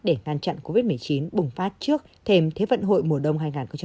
để ngăn chặn covid một mươi chín bùng phát trước thêm thế vận hội mùa đông hai nghìn hai mươi